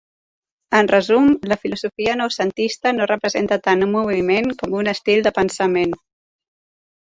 En resum, la filosofia noucentista no representa tant un moviment com un estil de pensament.